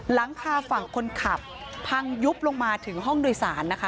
หลังคาฝั่งคนขับพังยุบลงมาถึงห้องโดยสารนะคะ